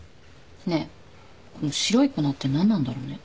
ねえこの白い粉って何なんだろうね。